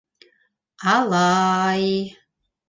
Ала-ай...